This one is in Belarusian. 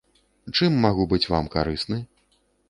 Чым магу быць вам карысны?